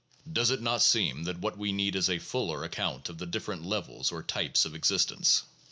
Does it not seem that what we need is a fuller account of the different levels or types of existence?